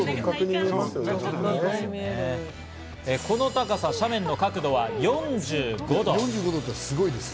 この高さ、斜面の角度は４５度。